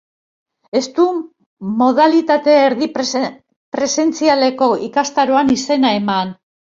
Ez du modalitate erdi-presentzialeko ikastaroan izena eman.